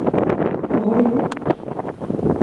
Vad har du gjort?